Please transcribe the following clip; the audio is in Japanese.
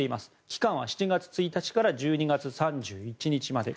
期間は７月１日から１２月３１日まで。